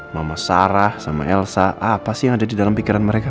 mama sarah sama elsa apa sih yang ada di dalam pikiran mereka